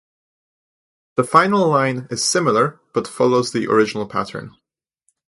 The final line is similar but follows the original pattern.